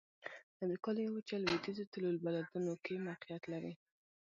د امریکا لویه وچه لویدیځو طول البلدونو کې موقعیت لري.